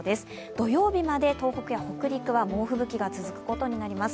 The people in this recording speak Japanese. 土曜日まで東北や北陸は猛吹雪が続くことになります。